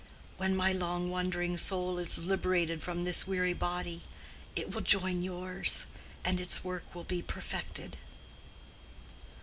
When my long wandering soul is liberated from this weary body, it will join yours, and its work will be perfected."